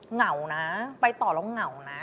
เหงานะไปต่อแล้วเหงานะ